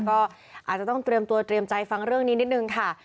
ก็อาจจะต้องเตรียมตัวเตรียมใจฟังเรื่องนี้นิดนึงค่ะ